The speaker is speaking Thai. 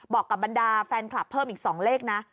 บอกกับบรรดาแฟนคลับเพิ่มอีก๒เลขนะ